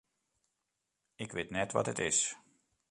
Ik wit net wat it is.